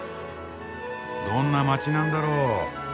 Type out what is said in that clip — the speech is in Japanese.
どんな街なんだろう？